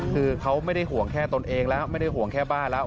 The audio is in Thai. คือเขาไม่ได้ห่วงแค่ตนเองแล้วไม่ได้ห่วงแค่บ้านแล้ว